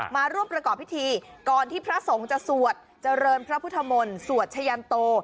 มาร่วมประกอบพิธีก่อนที่พระสงฆ์จะสวดเจริญพระพุทธมนต์สวดชะยันโต